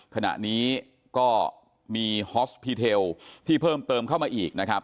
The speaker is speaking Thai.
ขณะนี้ก็มีฮอสพีเทลที่เพิ่มเติมเข้ามาอีกนะครับ